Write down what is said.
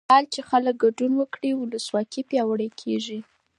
هغه مهال چې خلک ګډون وکړي، ولسواکي پیاوړې کېږي.